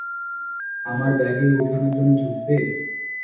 আমার ব্যাগ উঠানোর জন্য ঝুকবে?